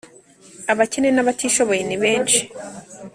Abakene n’abatishoboye nibenshi